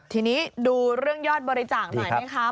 ทีนี้ดูเรื่องยอดบริจาคหน่อยไหมคะ